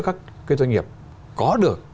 các cái doanh nghiệp có được